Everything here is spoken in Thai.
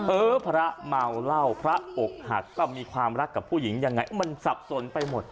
เออพระเมาเหล้าพระอกหักก็มีความรักกับผู้หญิงยังไงมันสับสนไปหมด